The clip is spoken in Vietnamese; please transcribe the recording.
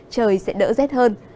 trời sẽ đỡ rét hơn